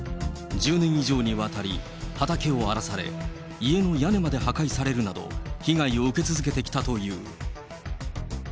１０年以上にわたり畑を荒らされ、家の屋根まで破壊されるなど、被害を受け続けてきたという。